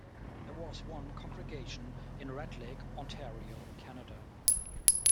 There was one congregation in Red Lake, Ontario, Canada.